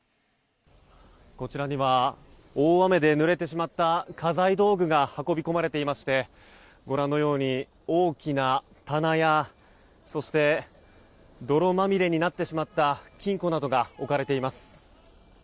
こちらには大雨でぬれてしまった家財道具が運び込まれていましてご覧のように大きな棚やそして、泥まみれになってしまった金庫などが置かれています。